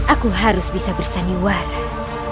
aku harus bisa bersani warah